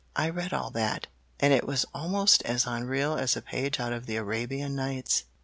"I read all that, and it was almost as unreal as a page out of the Arabian Nights."